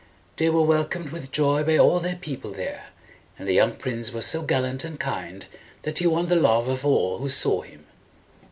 They were wel comed with joy by all their people there, and the young prince was so gallant and kind, that he won the love of all who saw him.